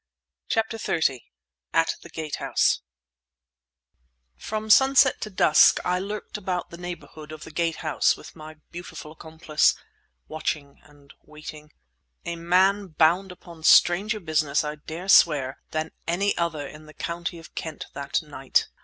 CHAPTER XXX AT THE GATE HOUSE From sunset to dusk I lurked about the neighbourhood of the Gate House with my beautiful accomplice—watching and waiting: a man bound upon stranger business, I dare swear, than any other in the county of Kent that night.